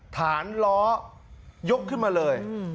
ฐานล้อยกขึ้นมาเลย